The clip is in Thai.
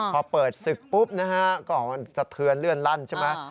พอเปิดศึกปุ๊บนะฮะก็มันสะเทือนเลื่อนลั่นใช่ไหม